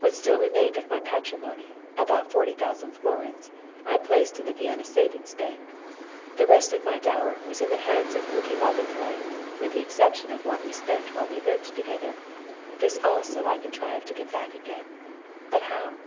What still remained to me of my patrimony, about 40,000 florins, I placed in the Vienna savings bank. The rest of my dower was in the hands of Muki Bagotay, with the exception of what we spent while we lived together. This also I contrived to get back again but how?